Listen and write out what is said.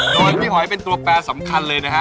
โดยพี่หอยเป็นตัวแปรสำคัญเลยนะฮะ